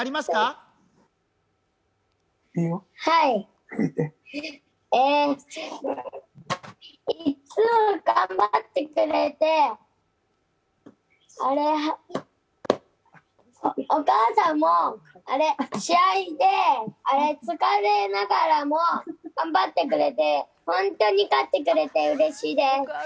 いつも頑張ってくれて、お母さんも試合で疲れながらも頑張ってくれて、本当に勝ってくれてうれしいです。